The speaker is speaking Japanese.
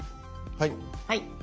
はい。